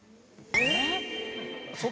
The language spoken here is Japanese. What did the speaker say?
えっ？